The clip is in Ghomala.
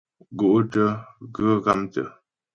Gó'tə̂ ghə ghámtə́.